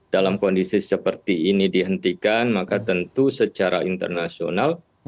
dalam kondisi seperti ini dihentikan maka tentu secara internasional